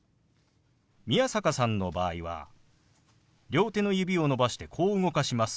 宮坂さんの場合は両手の指を伸ばしてこう動かします。